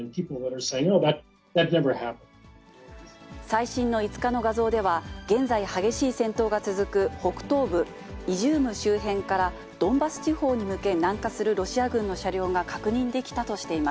最新の５日の画像では、現在、激しい戦闘が続く北東部イジューム周辺から、ドンバス地方に向け南下するロシア軍の車両が確認できたとしてい